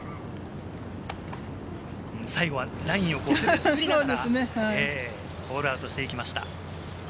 最後はラインを読みながらホールアウトしてきました。